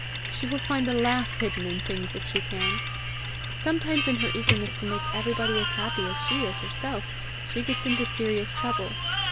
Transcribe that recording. She will find the laugh hidden in things, if she can. Sometimes in her eagerness to make everybody as happy as she is herself she gets into serious trouble.